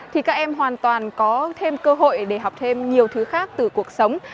thì các em hoàn toàn có thêm cơ hội để học thêm nhiều thứ khác từ cuộc sống